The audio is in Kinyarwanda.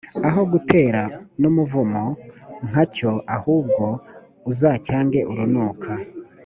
aho kugutera n’umuvumo nka cyo ahubwo uzacyange urunuka